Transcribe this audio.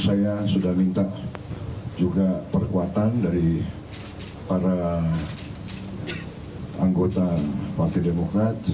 saya sudah minta juga perkuatan dari para anggota partai demokrat